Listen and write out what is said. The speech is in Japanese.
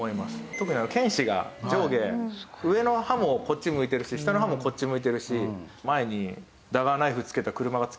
特に犬歯が上下上の歯もこっち向いてるし下の歯もこっち向いてるし前にダガーナイフ付けた車が突っ込んでくるみたいな感じ。